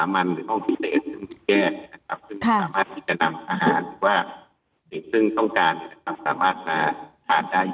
มันมันดูในคนดูในโรงพิเศษแป๊บหลังที่จะนำอาหารซึ่งต้องการทรัพย์สามารถผลักได้